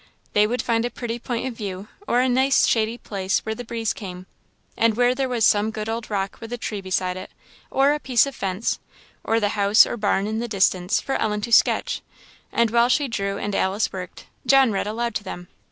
They would find a pretty point of view, or a nice shady place where the breeze came, and where there was some good old rock with a tree beside it, or a piece of fence, or the house or barn in the distance, for Ellen to sketch; and while she drew and Alice worked, John read aloud to them.